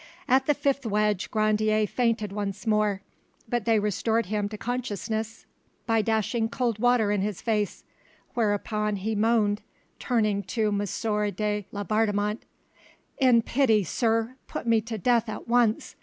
At the fifth wedge Grandier fainted once more, but they restored him to consciousness by dashing cold water in his face, whereupon he moaned, turning to M. de Laubardemont— "In pity, sir, put me to death at once!